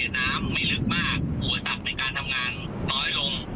ถ้าบอกเราไม่เจอเราก็ต้องกระจาย